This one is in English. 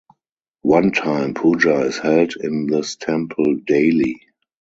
One time puja is held in this temple daily.